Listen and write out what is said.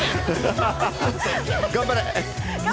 頑張れ。